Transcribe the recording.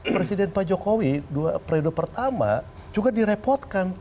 presiden pak jokowi dua periode pertama juga direpotkan